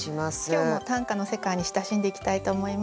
今日も短歌の世界に親しんでいきたいと思います。